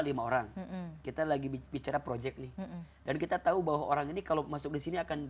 lima orang kita lagi bicara project nih dan kita tahu bahwa orang ini kalau masuk di sini akan